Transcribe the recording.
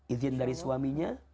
izin dari suaminya